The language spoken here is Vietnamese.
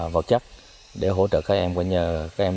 vật chất để hỗ trợ các em